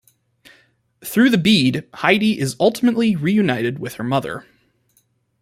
Through the bead, Heide is ultimately reunited her with her mother.